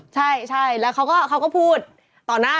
ใช่แล้วเขาก็พูดต่อหน้า